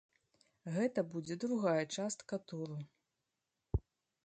Гэта будзе другая частка туру.